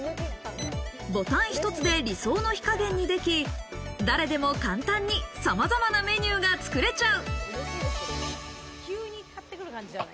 ボタン一つで理想の火加減にでき、誰でも簡単にさまざまなメニューが作れちゃう。